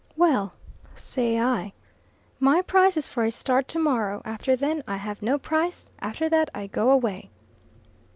"Well," say I, "my price is for a start to morrow after then I have no price after that I go away."